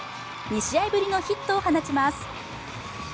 ２試合ぶりのヒットを放ちます。